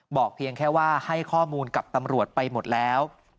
เพียงแค่ว่าให้ข้อมูลกับตำรวจไปหมดแล้ว